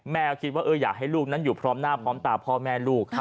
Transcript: คิดว่าอยากให้ลูกนั้นอยู่พร้อมหน้าพร้อมตาพ่อแม่ลูก